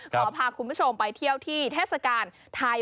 ขอพาคุณผู้ชมไปเที่ยวที่เทศกาลไทย